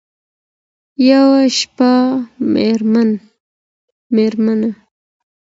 یوه شپه مېرمن